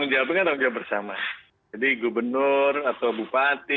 jadi gubernur atau bupati